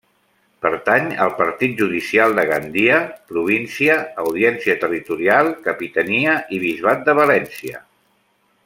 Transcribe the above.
Pertany al Partit Judicial de Gandia, Província, Audiència Territorial, Capitania i Bisbat de València.